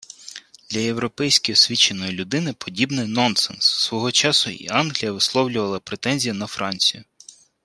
Для європейськи освіченої людини подібне – нонсенс! Свого часу і Англія висловлювала претензії на Францію